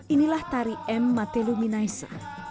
inilah tari m mateluminaisa